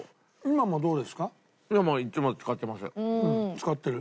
使ってる？